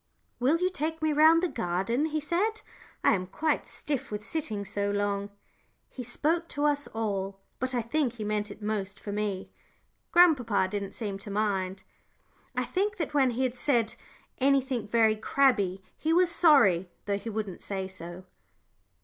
"Will you take me round the garden?" he said. "I am quite stiff with sitting so long." He spoke to us all, but I think he meant it most for me. Grandpapa didn't seem to mind. I think that when he had said anything very crabbed, he was sorry, though he wouldn't say so.